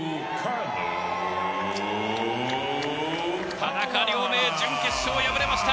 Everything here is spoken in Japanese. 田中亮明、準決勝は敗れました。